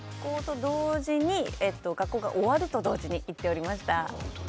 学校が終わると同時に行っておりました。